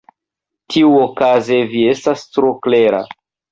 Tiuokaze, vi estas tro klera.